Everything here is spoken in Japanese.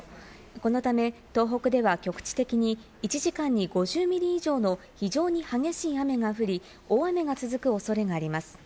このため、東北では局地的に１時間に５０ミリ以上の非常に激しい雨が降り、大雨が続く恐れがあります。